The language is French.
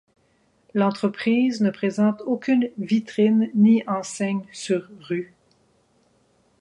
L'entreprise ne présente aucune vitrine ni enseigne sur rue.